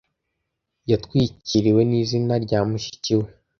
Yatwikiriwe n'izina rya mushiki we.